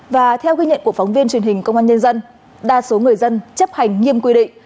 và theo ghi nhận của phóng viên truyền hình công an nhân dân đa số người dân chấp hành nghiêm quy định